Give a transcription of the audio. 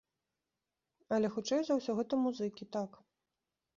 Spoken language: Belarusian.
Але хутчэй за ўсё гэта музыкі, так.